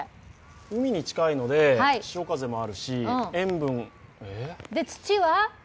海に近いので、潮風もあるし、塩分で、土は？